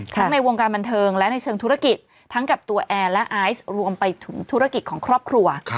ในวงการบันเทิงและในเชิงธุรกิจทั้งกับตัวแอร์และไอซ์รวมไปถึงธุรกิจของครอบครัว